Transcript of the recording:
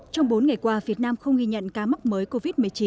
trong bốn ngày qua việt nam không ghi nhận ca mắc mới covid một mươi chín